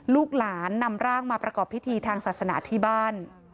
ลูกหลานนำร่างมาประกอบพิธีทางศาสนาที่บ้าน